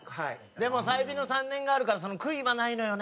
でも済美の３年があるから悔いはないのよね。